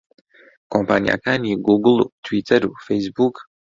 کۆمپانیاکانی گووگڵ و تویتەر و فەیسبووک